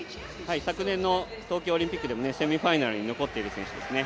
昨年の東京オリンピックでもセミファイナルに残っている選手です。